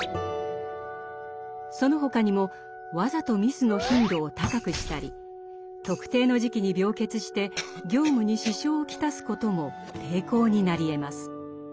その他にもわざとミスの頻度を高くしたり特定の時期に病欠して業務に支障を来すことも抵抗になりえます。